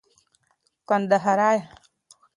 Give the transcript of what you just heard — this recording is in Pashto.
کندهارى